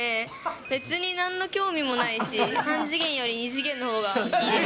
別になんの興味もないし、三次元より二次元のほうがいいです。